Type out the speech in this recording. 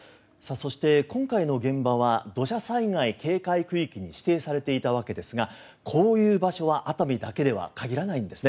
そして、今回の現場は土砂災害警戒区域に指定されていたわけですがこういう場所は熱海だけとは限らないんですね。